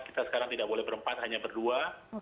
kita sekarang tidak boleh berempat hanya berdua